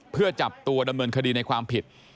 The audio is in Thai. เพื่อจับตัวดำเนินคดีในความผิด